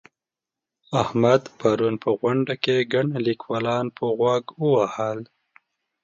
احمد پرون په غونډه کې ګڼ ليکوالان په غوږ ووهل.